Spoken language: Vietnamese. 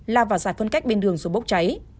la vào dài phân cách bên đường dù bốc cháy